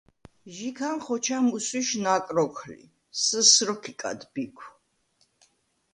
ჟიქან ხოჩა მუსვიშ ნაკ როქ ლი: “სსჷს” როქ იკად ბიქვ.